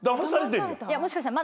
もしかしたら。